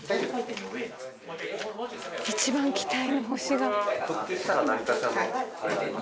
一番期待の星が。